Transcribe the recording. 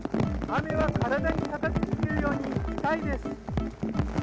雨は体にたたきつけるように痛いです。